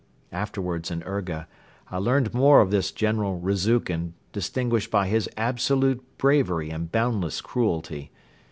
Afterwards in Urga I learned more of this General Rezukhin distinguished by his absolute bravery and boundless cruelty.